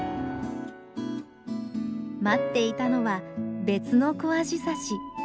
待っていたのは別のコアジサシ。